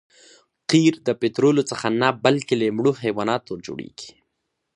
قیر د پطرولو څخه نه بلکې له مړو حیواناتو جوړیږي